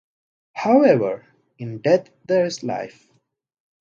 However, in death there is life.